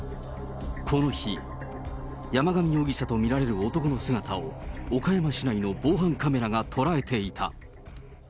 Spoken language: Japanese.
この日、山上容疑者と見られる男の姿を、岡山市内の防犯カメラが捉えていた。